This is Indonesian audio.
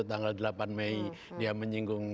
tanggal delapan mei dia menyinggung